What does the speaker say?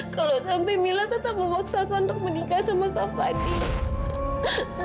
kalau sampai mila tetap memaksakan untuk menikah sama kak fadil